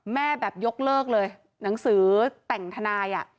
แม่แบบยกเลิกเลยหนังสือแต่งทนาย